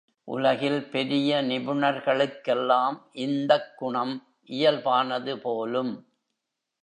உலகில் பெரிய நிபுணர்களுக்கெல்லாம் இந்தக் குணம் இயல்பானது போலும்!